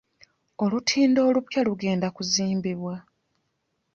Olutindo olupya lugenda kuzimbibwa.